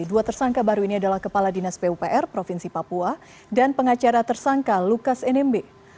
dua tersangka baru ini adalah kepala dinas pupr provinsi papua dan pengacara tersangka lukas nmb